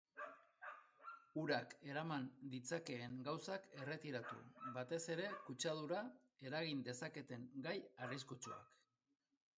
Urak eraman ditzakeen gauzak erretiratu, batez ere kutsadura eragin dezaketen gai arraiskutsuak.